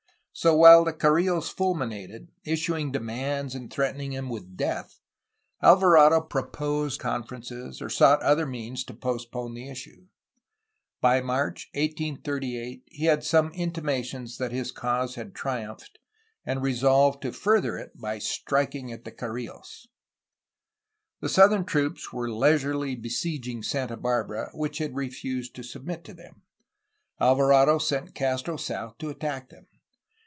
So while the Carrillos fulminated, issuing demands and threatening him with death, Alvarado proposed conferences or sought other means to postpone the issue. By March 1838 he had some intimations that his cause had triumphed, and re solved to further it by striking at the Carrillos. The southern troops were leisurely besieging Santa Bar bara, which had refused to submit to them. Alvarado sent Castro south to attack them.